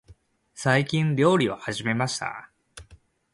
最近、料理を始めました。